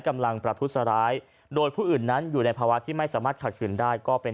กำลังประทุษร้ายโดยผู้อื่นนั้นอยู่ในภาวะที่ไม่สามารถขัดขืนได้ก็เป็น